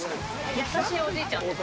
やさしいおじいちゃんです。